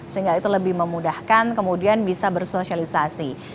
sehingga itu lebih memudahkan kemudian bisa bersosialisasi